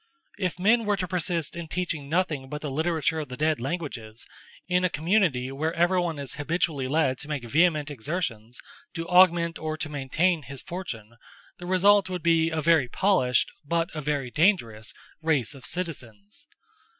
If men were to persist in teaching nothing but the literature of the dead languages in a community where everyone is habitually led to make vehement exertions to augment or to maintain his fortune, the result would be a very polished, but a very dangerous, race of citizens.